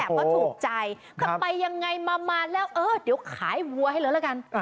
ว่าถูกใจครับไปยังไงมามาแล้วเออเดี๋ยวขายวัวให้เลยแล้วกัน